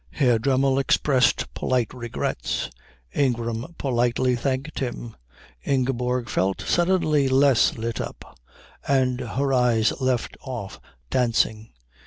Herr Dremmel expressed polite regrets. Ingram politely thanked him. Ingeborg felt suddenly less lit up, and her eyes left off dancing.